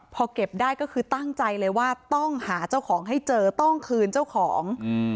พอเก็บได้ก็คือตั้งใจเลยว่าต้องหาเจ้าของให้เจอต้องคืนเจ้าของ